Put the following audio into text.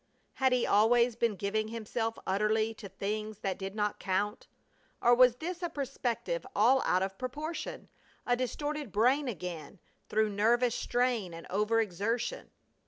Had he always been giving himself utterly to things that did not count, or was this a perspective all out of proportion, a distorted brain again, through nervous strain and over exertion?